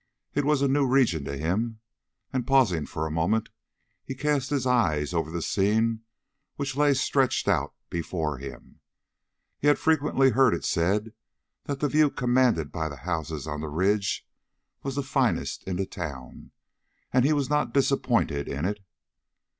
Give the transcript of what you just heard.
It was a new region to him, and, pausing for a moment, he cast his eyes over the scene which lay stretched out before him. He had frequently heard it said that the view commanded by the houses on the ridge was the finest in the town, and he was not disappointed in it.